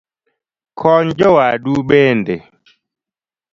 Kony jowadu bende